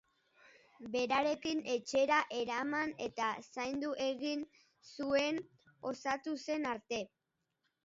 Berarekin etxera eraman eta zaindu egin zuen, osatu zen arte.